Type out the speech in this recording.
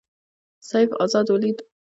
سیف آزاد ولید.